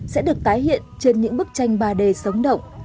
sẽ được tái hiện trên những bức tranh ba d sống động